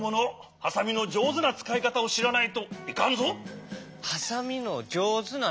ハサミのじょうずなつかいかたをしらないといかんぞ。